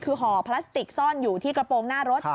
คือห่อพลาสติกซ่อนอยู่ที่กระโปรงหน้ารถ